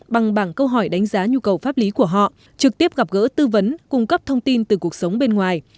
bằng bảng câu hỏi đánh giá nhu cầu pháp lý của họ trực tiếp gặp gỡ tư vấn cung cấp thông tin từ cuộc sống bên ngoài